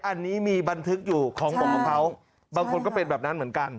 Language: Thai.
อันนี้มีบันทึกอยู่ของบอกมะพร้าวบางคนก็เป็นแบบนั้นเหมือนกัน